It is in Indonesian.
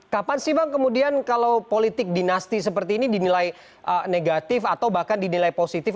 kapan sih bang kemudian kalau politik dinasti seperti ini dinilai negatif atau bahkan dinilai positif